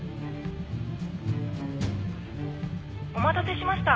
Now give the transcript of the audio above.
お待たせしました。